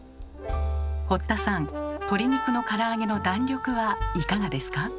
堀田さん鶏肉のから揚げの弾力はいかがですか？